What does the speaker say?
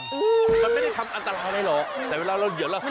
มันไม่ได้ทำอันตรายได้หรอกแต่เวลาเราเหยียบแล้ว